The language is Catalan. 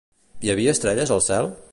Hi havia estrelles al cel?